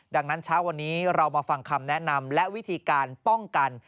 ดังนั้นเช้าวันนี้เรามาฟังคำแนะนำและวิธีการป้องกัน